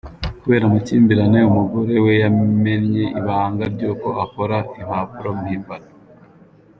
Kubera amakimbirane, umugore we yamennye ibanga ry’uko akora impapuro mbimbano